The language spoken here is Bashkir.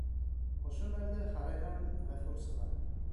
Ошо мәлдә һарайҙан Ғәфүр сыға.